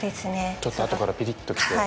ちょっと、あとからぴりっと来て。